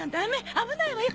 危ないわよ。